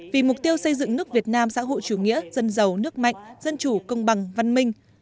vì mục tiêu xây dựng nước việt nam xã hội chủ nghĩa dân giàu nước mạnh dân chủ công bằng văn minh